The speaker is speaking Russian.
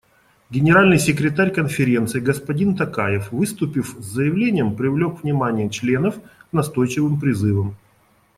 Генеральный секретарь Конференции господин Токаев, выступив с заявлением, привлек внимание членов к настойчивым призывам.